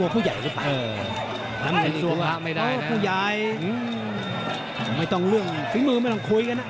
ผู้ใหญ่ไม่ต้องล่วงฝีมือไม่ต้องคุยกันนะ